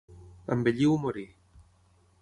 Envellir o morir.